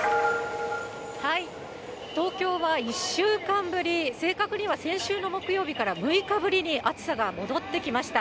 東京は１週間ぶり、正確には先週の木曜日から６日ぶりに暑さが戻ってきました。